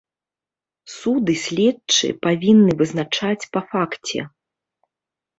Суд і следчы павінны вызначаць па факце.